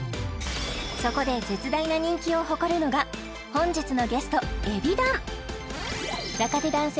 そこで絶大な人気を誇るのが本日のゲストＥＢｉＤＡＮ若手男性